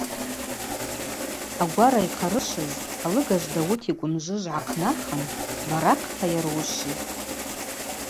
Агвара йхъарышвыз, алыгажв Дауыт йкӏвымжвыжв гӏахънахын, баракъта йаруышвитӏ.